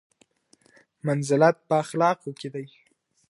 منزلت په اخلاقو کې دی.